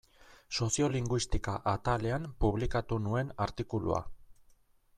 Soziolinguistika atalean publikatu nuen artikulua.